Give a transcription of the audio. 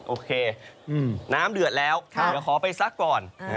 โอเคน้ำเดือดแล้วเดี๋ยวขอไปซักก่อน